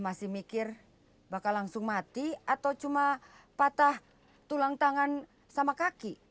masih mikir bakal langsung mati atau cuma patah tulang tangan sama kaki